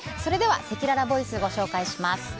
せきららボイスご紹介します。